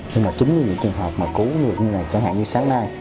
nhưng mà chính vì những trường hợp mà cứu được như này chẳng hạn như sáng nay